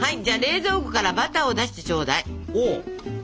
じゃあ冷蔵庫からバターを出してちょうだい。